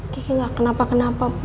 kiki ga kenapa kenapa bu